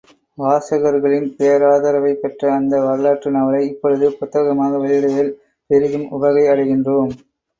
வாசகர்களின் பேராதரவைப் பெற்ற அந்த வரலாற்று நாவலை இப்பொழுது புத்தகமாக வெளியிடுவதில் பெரிதும் உவகை அடைகின்றோம்.